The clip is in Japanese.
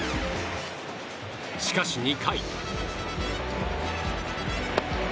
しかし、２回。